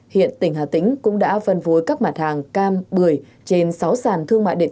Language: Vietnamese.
hiện tỉnh hà tĩnh cũng đã vân vui các mặt hàng cam bưởi và đưa cam bưởi vào các sàn thương mại điện tử